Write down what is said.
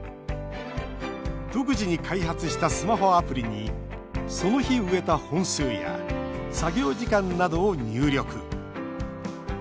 独自に開発したスマホアプリにその日、植えた本数や作業時間などを入力。